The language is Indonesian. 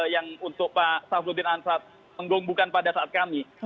yang untuk pak safruddin ansad menggung bukan pada saat kami